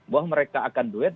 bahwa mereka akan duet